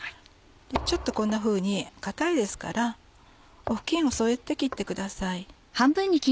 ちょっとこんなふうに硬いですから布巾を添えて切ってください。